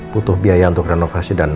butuh biaya untuk renovasi dan